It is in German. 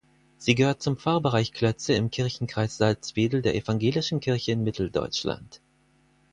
Sie gehört zum Pfarrbereich Klötze im Kirchenkreis Salzwedel der Evangelischen Kirche in Mitteldeutschland.